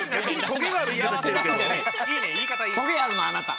トゲがあるのはあなた。